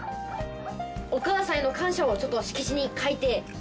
お母さんへの感謝をちょっと色紙に書いて。